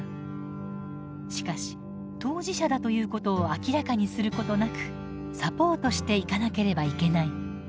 しかし当事者だということを明らかにすることなくサポートしていかなければいけない。